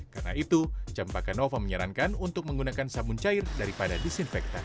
karena itu cempaka nova menyarankan untuk menggunakan sabun cair daripada disinfektan